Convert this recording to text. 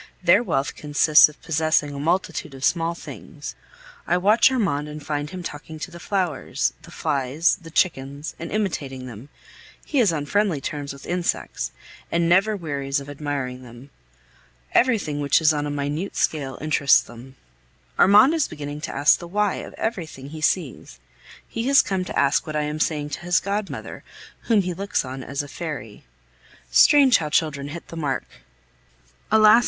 Their wealth consists in possessing a multitude of small things. I watch Armand and find him talking to the flowers, the flies, the chickens, and imitating them. He is on friendly terms with insects, and never wearies of admiring them. Everything which is on a minute scale interests them. Armand is beginning to ask the "why" of everything he sees. He has come to ask what I am saying to his godmother, whom he looks on as a fairy. Strange how children hit the mark! Alas!